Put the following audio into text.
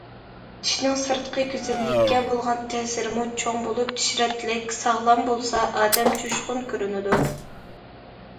چىشنىڭ سىرتقى گۈزەللىككە بولغان تەسىرىمۇ چوڭ بولۇپ، چىش رەتلىك، ساغلام بولسا، ئادەم جۇشقۇن كۆرۈنىدۇ.